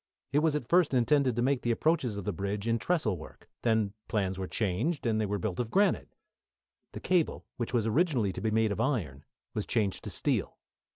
It was at first intended to make the approaches of the bridge in trestle work, then plans were changed and they were built of granite. The cable, which was originally to be made of iron, was changed to steel.